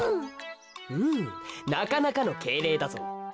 うんなかなかのけいれいだぞ。